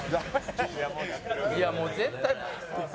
「いやもう絶対」